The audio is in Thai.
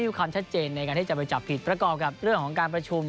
มีความชัดเจนในการที่จะไปจับผิดประกอบกับเรื่องของการประชุม